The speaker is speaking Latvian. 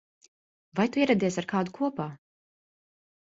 Vai tu ieradies ar kādu kopā?